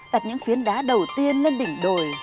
đặt những phiến đá đầu tiên lên đỉnh đồi